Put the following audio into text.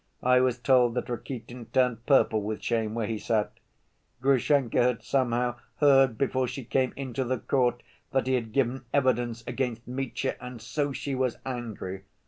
I was told that Rakitin turned purple with shame where he sat. Grushenka had somehow heard before she came into the court that he had given evidence against Mitya, and so she was angry.